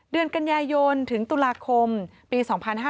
เดือนกันยายนถึงตุลาคมปี๒๕๕๙